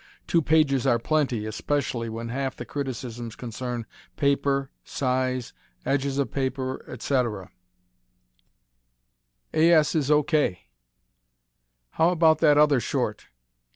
Two pages are plenty, especially when half the criticisms concern paper, size, edges of paper, etc. A. S. is O. K! How about that other short?